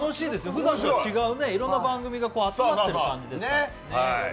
ふだんと違ういろんな番組が集まっている感じで。